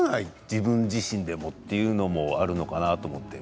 自分自身でも、というのもあるのかなと思って。